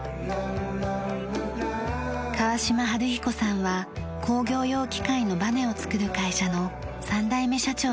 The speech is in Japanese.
川嶋治彦さんは工業用機械のバネを作る会社の３代目社長です。